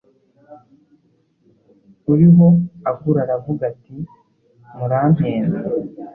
Uriho agura aravuga ati «Murampenda»